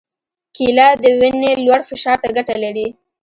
کېله د وینې لوړ فشار ته ګټه لري.